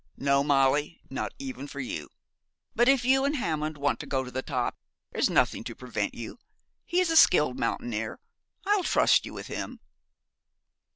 No, Molly, not even for you. But if you and Hammond want to go to the top, there is nothing to prevent you. He is a skilled mountaineer. I'll trust you with him.'